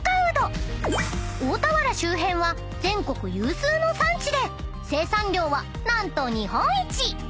［大田原周辺は全国有数の産地で生産量は何と日本一！］